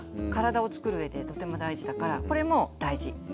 体をつくる上でとても大事だからこれも大事。